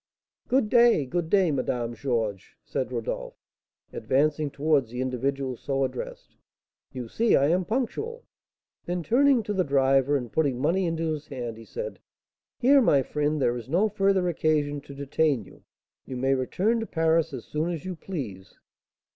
"Good day, good day, Madame Georges," said Rodolph, advancing towards the individual so addressed, "you see I am punctual." Then turning to the driver, and putting money into his hand, he said, "Here, my friend, there is no further occasion to detain you; you may return to Paris as soon as you please."